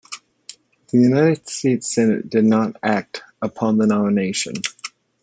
The United States Senate did not act upon the nomination.